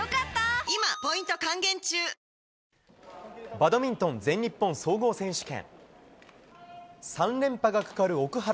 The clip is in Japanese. バドミントン全日本総合選手権。